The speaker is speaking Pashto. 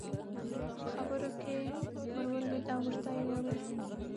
په خبرو کې ور ولوېد او ورته ویې وویل.